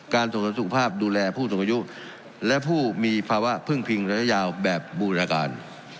ส่งเสริมสุขภาพดูแลผู้สูงอายุและผู้มีภาวะพึ่งพิงระยะยาวแบบบูรการ